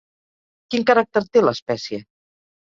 Quin caràcter té l'espècie?